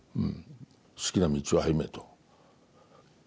好きな道を歩めと。